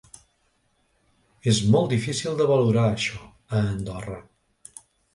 És molt difícil de valorar això, a Andorra.